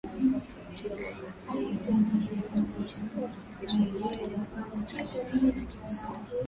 Twiga anaweza kuishi mpaka miaka ishirini na tano awapo katika maeneo yake asili